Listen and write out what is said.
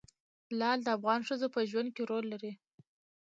لعل د افغان ښځو په ژوند کې رول لري.